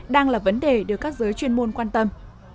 đang là vấn đề được các giới chuyên môn quan tâm